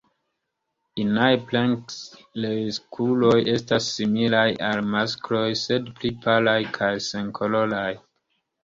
Inaj plenkreskuloj estas similaj al maskloj sed pli palaj kaj senkoloraj.